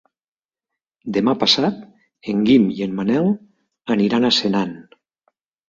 Demà passat en Guim i en Manel aniran a Senan.